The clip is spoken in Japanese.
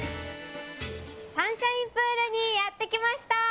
サンシャインプールにやってきました！